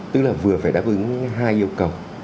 tức là vừa phải đáp ứng hai yêu cầu